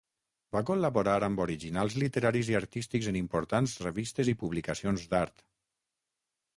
Va col·laborar amb originals literaris i artístics en importants revistes i publicacions d'art.